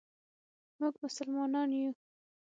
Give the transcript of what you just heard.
مونږ مسلمانان یو.